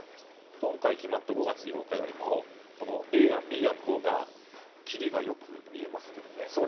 今回決まった５月８日よりもＡ案、Ｂ案のほうがきりが良く見えますけどね。